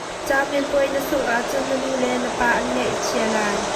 Camipuai na sungh ahcun na nulepa an ngeih a chia lai.